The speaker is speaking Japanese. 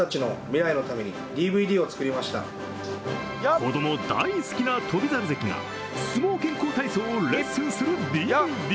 子供大好きな翔猿関が相撲健康体操をレッスンするＤＶＤ。